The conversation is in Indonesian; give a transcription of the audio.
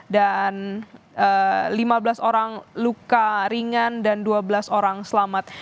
dan lima belas orang luka ringan dan dua belas orang selamat